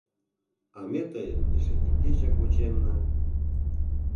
— А ме тыйым эше теҥгечак вученна!